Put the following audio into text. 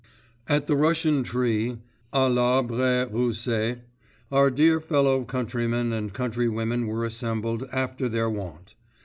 At the Russian tree, à l'arbre Russe, our dear fellow countrymen and countrywomen were assembled after their wont.